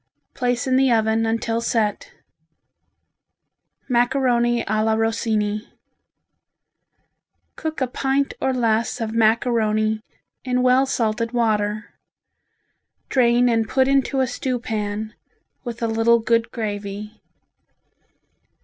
Place in the oven until set. Macaroni a la Rossini Cook a pint or less of macaroni in well salted water; drain and put into a stew pan, with a little good gravy.